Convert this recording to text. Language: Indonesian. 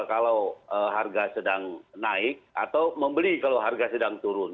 kalau harga sedang naik atau membeli kalau harga sedang turun